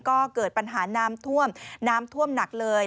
ก็เกิดปัญหาน้ำท่วมน้ำท่วมหนักเลย